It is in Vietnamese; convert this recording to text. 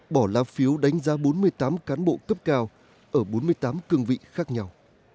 bỏ la phiếu đánh giá bốn mươi tám cán bộ cấp cao ở bốn mươi tám cương vị khác nhau